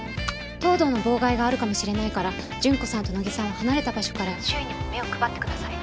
東堂の妨害があるかもしれないから純子さんと野木さんは離れた場所から周囲にも目を配ってください。